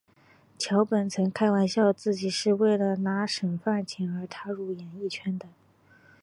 桥本曾开玩笑自己是为了拿省饭钱而踏入演艺圈的。